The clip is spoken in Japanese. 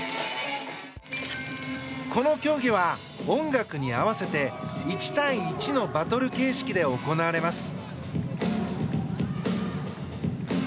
この競技は、音楽に合わせて１対１のバトル形式で行われます。